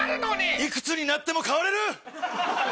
いくつになっても変われる！